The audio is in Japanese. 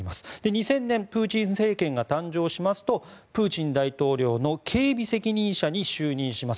２０００年プーチン政権が誕生しますとプーチン大統領の警備責任者に就任します。